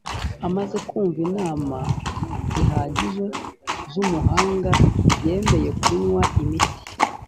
amaze kumva inama zihagije z’umuhanga yemeye kunywa imiti